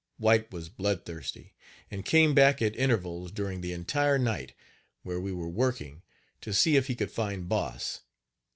White was bloodthirsty, and came back at intervals during the entire night, where we were working, to see if he could find Boss.